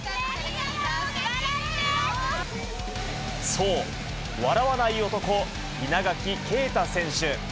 そう、笑わない男、稲垣啓太選手。